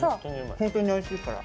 ホントにおいしいから。